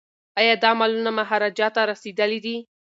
ایا دا مالونه مهاراجا ته رسیدلي دي؟